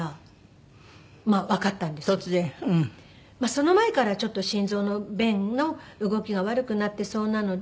その前からちょっと心臓の弁の動きが悪くなってそうなので。